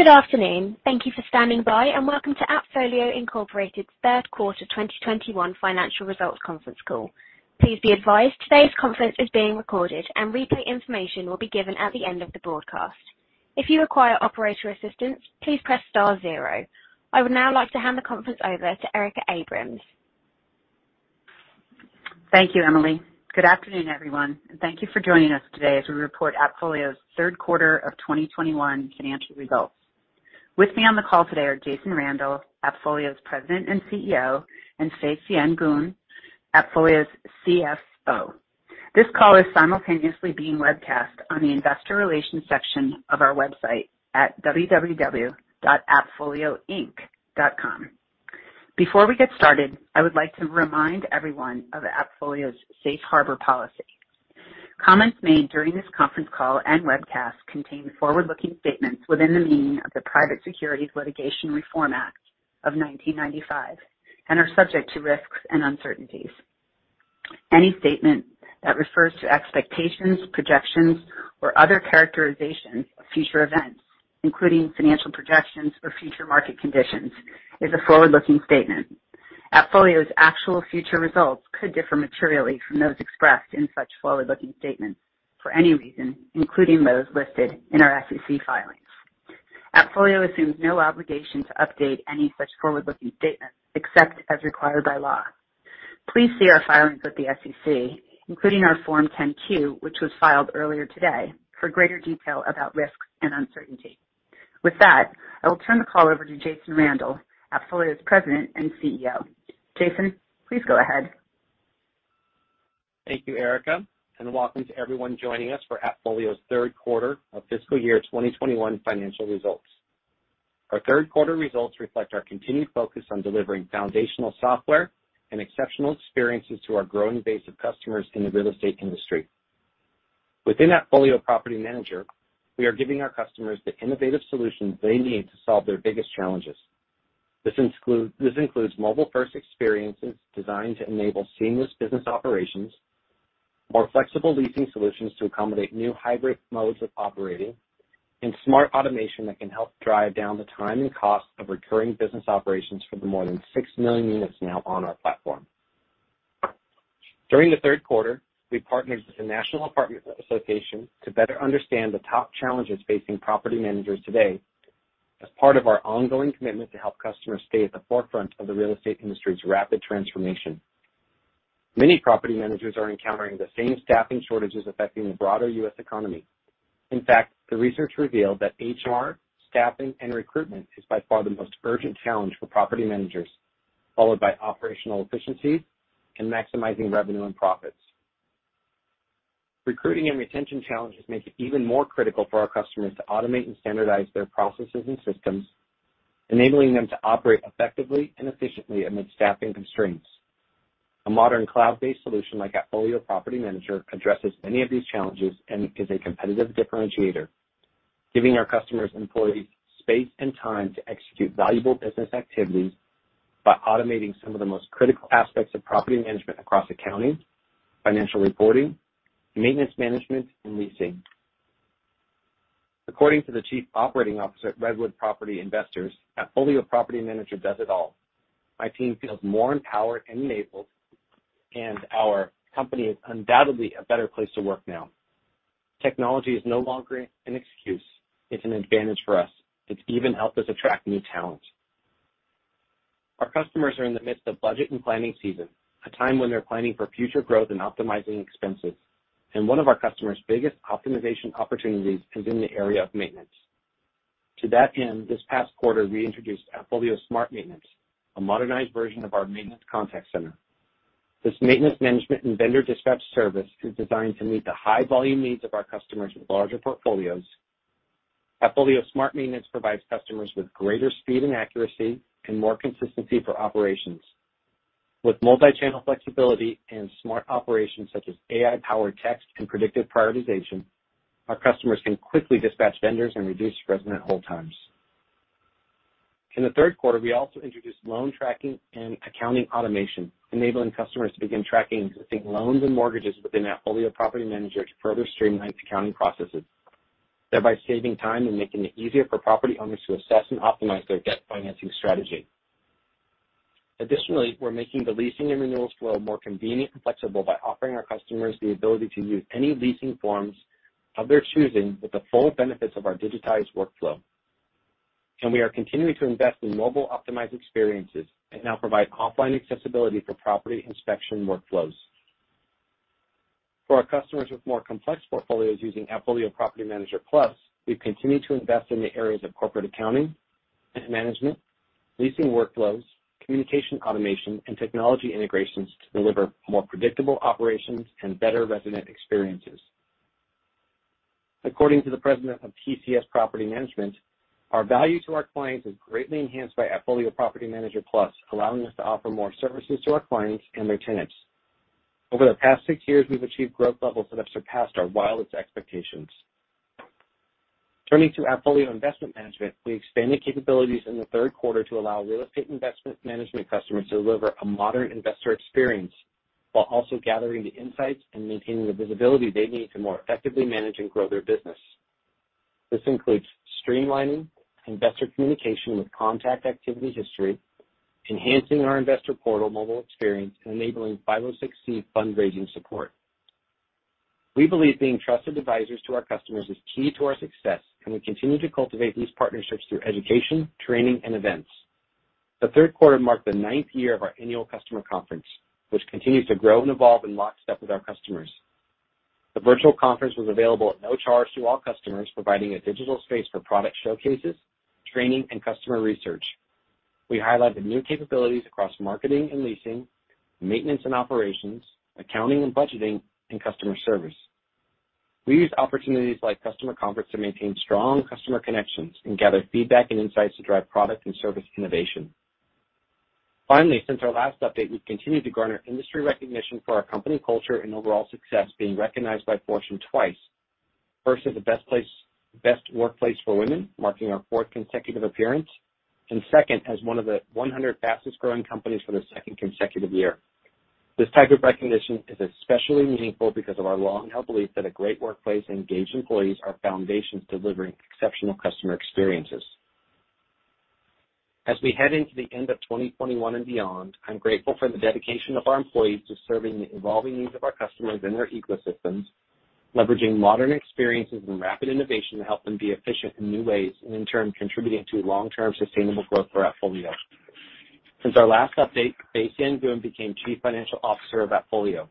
Good afternoon. Thank you for standing by, and welcome to AppFolio, Inc.'s third quarter 2021 financial results conference call. Please be advised, today's conference is being recorded and replay information will be given at the end of the broadcast. If you require operator assistance, please press star zero. I would now like to hand the conference over to Erica Abrams. Thank you, Emily. Good afternoon, everyone, and thank you for joining us today as we report AppFolio's third quarter of 2021 financial results. With me on the call today are Jason Randall, AppFolio's President and CEO, and Fay Sien Goon, AppFolio's CFO. This call is simultaneously being webcast on the investor relations section of our website at www.appfolioinc.com. Before we get started, I would like to remind everyone of AppFolio's safe harbor policy. Comments made during this conference call and webcast contain forward-looking statements within the meaning of the Private Securities Litigation Reform Act of 1995 and are subject to risks and uncertainties. Any statement that refers to expectations, projections, or other characterizations of future events, including financial projections or future market conditions, is a forward-looking statement. AppFolio's actual future results could differ materially from those expressed in such forward-looking statements for any reason, including those listed in our SEC filings. AppFolio assumes no obligation to update any such forward-looking statements except as required by law. Please see our filings with the SEC, including our Form 10-Q, which was filed earlier today, for greater detail about risks and uncertainty. With that, I will turn the call over to Jason Randall, AppFolio's President and CEO. Jason, please go ahead. Thank you, Erica, and welcome to everyone joining us for AppFolio's third quarter of fiscal year 2021 financial results. Our third quarter results reflect our continued focus on delivering foundational software and exceptional experiences to our growing base of customers in the real estate industry. Within AppFolio Property Manager, we are giving our customers the innovative solutions they need to solve their biggest challenges. This includes mobile-first experiences designed to enable seamless business operations, more flexible leasing solutions to accommodate new hybrid modes of operating, and smart automation that can help drive down the time and cost of recurring business operations for the more than 6 million units now on our platform. During the third quarter, we partnered with the National Apartment Association to better understand the top challenges facing property managers today as part of our ongoing commitment to help customers stay at the forefront of the real estate industry's rapid transformation. Many property managers are encountering the same staffing shortages affecting the broader U.S. economy. In fact, the research revealed that HR, staffing, and recruitment is by far the most urgent challenge for property managers, followed by operational efficiencies and maximizing revenue and profits. Recruiting and retention challenges make it even more critical for our customers to automate and standardize their processes and systems, enabling them to operate effectively and efficiently amid staffing constraints. A modern cloud-based solution like AppFolio Property Manager addresses many of these challenges and is a competitive differentiator, giving our customers' employees space and time to execute valuable business activities by automating some of the most critical aspects of property management across accounting, financial reporting, maintenance management, and leasing. According to the chief operating officer at Redwood Property Investors, "AppFolio Property Manager does it all. My team feels more empowered and enabled, and our company is undoubtedly a better place to work now. Technology is no longer an excuse. It's an advantage for us. It's even helped us attract new talent." Our customers are in the midst of budget and planning season, a time when they're planning for future growth and optimizing expenses. One of our customers' biggest optimization opportunities is in the area of maintenance. To that end, this past quarter, we introduced AppFolio Smart Maintenance, a modernized version of our maintenance contact center. This maintenance management and vendor dispatch service is designed to meet the high volume needs of our customers with larger portfolios. AppFolio Smart Maintenance provides customers with greater speed and accuracy and more consistency for operations. With multi-channel flexibility and smart operations such as AI-powered text and predictive prioritization, our customers can quickly dispatch vendors and reduce resident hold times. In the third quarter, we also introduced loan tracking and accounting automation, enabling customers to begin tracking existing loans and mortgages within AppFolio Property Manager to further streamline accounting processes, thereby saving time and making it easier for property owners to assess and optimize their debt financing strategy. Additionally, we're making the leasing and renewals flow more convenient and flexible by offering our customers the ability to use any leasing forms of their choosing with the full benefits of our digitized workflow. We are continuing to invest in mobile-optimized experiences and now provide offline accessibility for property inspection workflows. For our customers with more complex portfolios using AppFolio Property Manager Plus, we've continued to invest in the areas of corporate accounting and management, leasing workflows, communication automation, and technology integrations to deliver more predictable operations and better resident experiences. According to the president of PCS Property Management, "Our value to our clients is greatly enhanced by AppFolio Property Manager Plus, allowing us to offer more services to our clients and their tenants. Over the past six years, we've achieved growth levels that have surpassed our wildest expectations." Turning to AppFolio Investment Manager, we expanded capabilities in the third quarter to allow real estate investment management customers to deliver a modern investor experience. While also gathering the insights and maintaining the visibility they need to more effectively manage and grow their business. This includes streamlining investor communication with contact activity history, enhancing our investor portal mobile experience, and enabling 506(c) fundraising support. We believe being trusted advisors to our customers is key to our success, and we continue to cultivate these partnerships through education, training, and events. The third quarter marked the ninth year of our annual customer conference, which continues to grow and evolve in lockstep with our customers. The virtual conference was available at no charge to all customers, providing a digital space for product showcases, training, and customer research. We highlight the new capabilities across marketing and leasing, maintenance and operations, accounting and budgeting, and customer service. We use opportunities like customer conference to maintain strong customer connections and gather feedback and insights to drive product and service innovation. Finally, since our last update, we've continued to garner industry recognition for our company culture and overall success being recognized by Fortune twice. First, as the best workplace for women, marking our fourth consecutive appearance. Second, as one of the 100 fastest growing companies for the second consecutive year. This type of recognition is especially meaningful because of our long-held belief that a great workplace engaged employees are foundations delivering exceptional customer experiences. As we head into the end of 2021 and beyond, I'm grateful for the dedication of our employees to serving the evolving needs of our customers and their ecosystems, leveraging modern experiences and rapid innovation to help them be efficient in new ways, and in turn, contributing to long-term sustainable growth for AppFolio. Since our last update, Fay Sien Goon became Chief Financial Officer of AppFolio.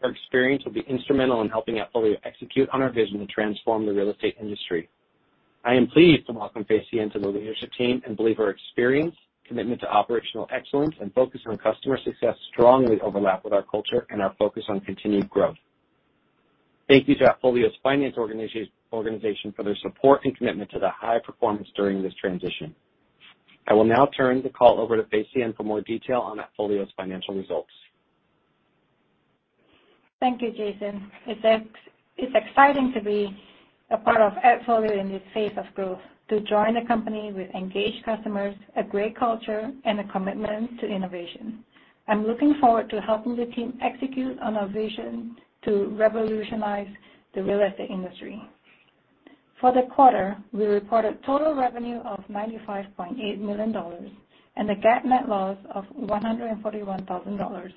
Her experience will be instrumental in helping AppFolio execute on our vision to transform the real estate industry. I am pleased to welcome Fay Sien Goon to the leadership team and believe her experience, commitment to operational excellence, and focus on customer success strongly overlap with our culture and our focus on continued growth. Thank you to AppFolio's finance organization for their support and commitment to the high performance during this transition. I will now turn the call over to Fay Sien for more detail on AppFolio's financial results. Thank you, Jason. It's exciting to be a part of AppFolio in this phase of growth, to join a company with engaged customers, a great culture, and a commitment to innovation. I'm looking forward to helping the team execute on our vision to revolutionize the real estate industry. For the quarter, we reported total revenue of $95.8 million and a GAAP net loss of $141,000.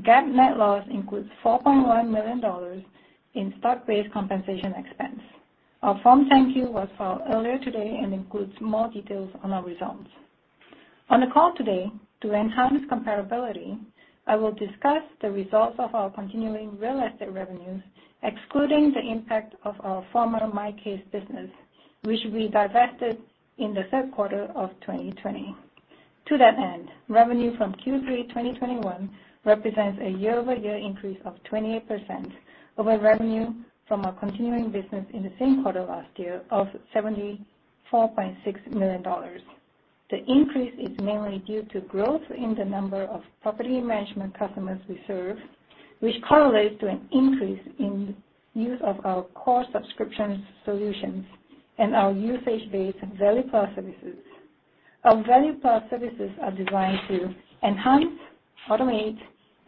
GAAP net loss includes $4.1 million in stock-based compensation expense. Our Form 10-Q was filed earlier today and includes more details on our results. On the call today, to enhance comparability, I will discuss the results of our continuing real estate revenues, excluding the impact of our former MyCase business, which we divested in the third quarter of 2020. To that end, revenue from Q3 2021 represents a year-over-year increase of 28% over revenue from our continuing business in the same quarter last year of $74.6 million. The increase is mainly due to growth in the number of property management customers we serve, which correlates to an increase in use of our core subscription solutions and our usage-based value-added services. Our value-added services are designed to enhance, automate,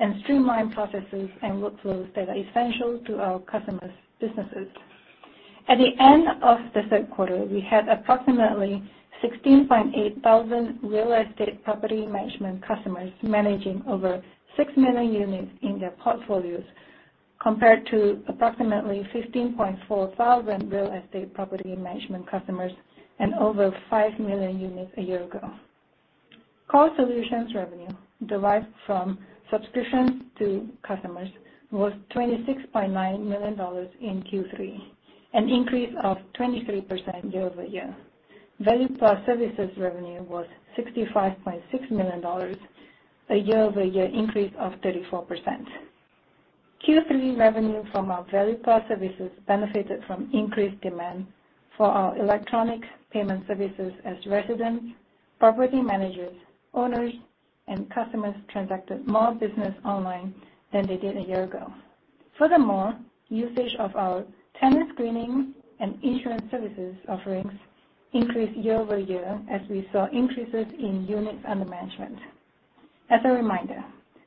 and streamline processes and workflows that are essential to our customers' businesses. At the end of the third quarter, we had approximately 16,800 real estate property management customers managing over 6 million units in their portfolios, compared to approximately 15,400 real estate property management customers and over 5 million units a year ago. Core solutions revenue derived from subscriptions to customers was $26.9 million in Q3, an increase of 23% year-over-year. Value-added services revenue was $65.6 million, a year-over-year increase of 34%. Q3 revenue from our value-added services benefited from increased demand for our electronic payment services as residents, property managers, owners, and customers transacted more business online than they did a year ago. Furthermore, usage of our tenant screening and insurance services offerings increased year-over-year as we saw increases in units under management. As a reminder,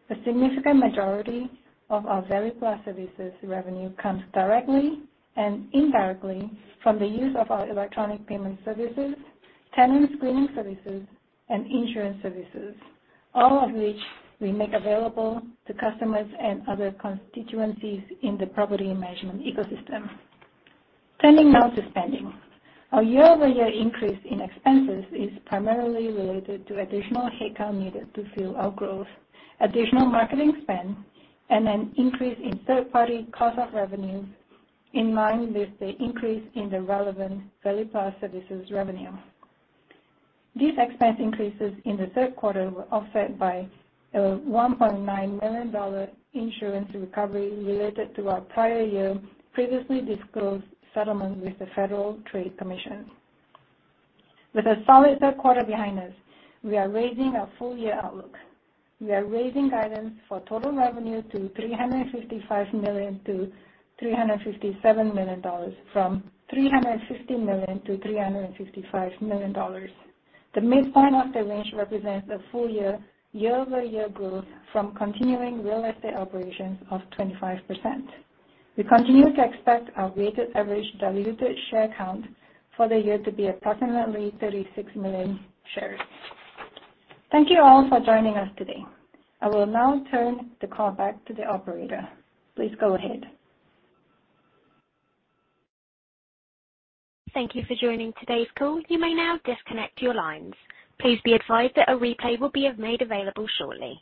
the significant majority of our value-added services revenue comes directly and indirectly from the use of our electronic payment services, tenant screening services, and insurance services, all of which we make available to customers and other constituencies in the property management ecosystem. Turning now to spending. Our year-over-year increase in expenses is primarily related to additional headcount needed to fuel our growth, additional marketing spend, and an increase in third-party cost of revenue in line with the increase in the relevant value-per-services revenue. These expense increases in the third quarter were offset by a $1.9 million insurance recovery related to our prior year previously disclosed settlement with the Federal Trade Commission. With a solid third quarter behind us, we are raising our full-year outlook. We are raising guidance for total revenue to $355 million-$357 million, from $350 million-$355 million. The midpoint of the range represents a full-year, year-over-year growth from continuing real estate operations of 25%. We continue to expect our weighted average diluted share count for the year to be approximately 36 million shares. Thank you all for joining us today. I will now turn the call back to the operator. Please go ahead. Thank you for joining today's call. You may now disconnect your lines. Please be advised that a replay will be made available shortly.